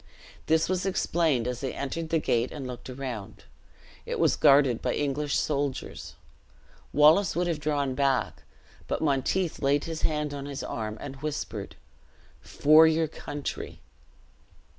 This was explained as they entered the gate and looked around. It was guarded by English soldiers. Wallace would have drawn back; but Monteith laid his hand on his arm, and whispered, "For your country!"